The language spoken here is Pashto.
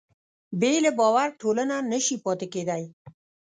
بې له باور ټولنه نهشي پاتې کېدی.